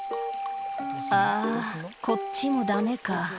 「あぁこっちもダメか」